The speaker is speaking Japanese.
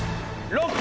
ＬＯＣＫ！